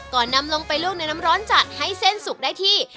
นำลงไปลวกในน้ำร้อนจัดให้เส้นสุกได้ที่